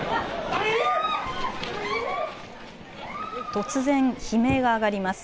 突然、悲鳴が上がります。